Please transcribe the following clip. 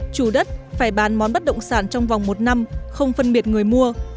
chủ đất phải bán món bất động sản trong vòng một năm không phân biệt người mua